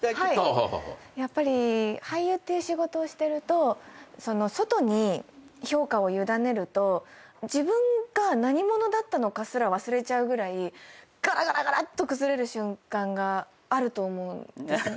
やっぱり俳優っていう仕事をしてると外に評価を委ねると自分が何者だったのかすら忘れちゃうぐらいガラガラガラッと崩れる瞬間があると思うんです。